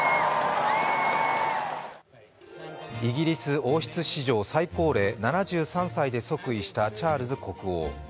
イギリス王室史上最高齢、７３歳で即位したチャールズ国王。